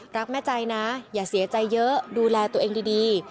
แม่ใจนะอย่าเสียใจเยอะดูแลตัวเองดี